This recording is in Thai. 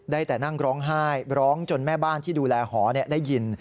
ได้แต่นั่งร้องไห้ร้องจนแม่บ้านที่ดูแลหอได้ยิน